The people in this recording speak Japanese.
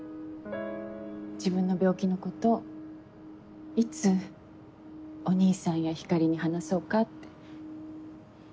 自分の病気のこといつお義兄さんやひかりに話そうかって。